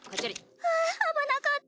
ふぅ危なかった。